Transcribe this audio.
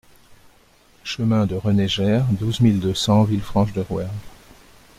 Chemin de René Jayr, douze mille deux cents Villefranche-de-Rouergue